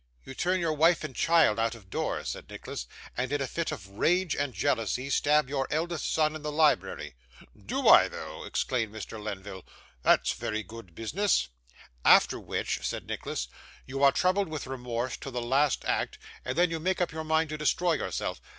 'You turn your wife and child out of doors,' said Nicholas; 'and, in a fit of rage and jealousy, stab your eldest son in the library.' 'Do I though!' exclaimed Mr. Lenville. 'That's very good business.' 'After which,' said Nicholas, 'you are troubled with remorse till the last act, and then you make up your mind to destroy yourself.